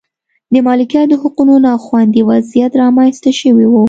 د مالکیت د حقونو نا خوندي وضعیت رامنځته شوی و.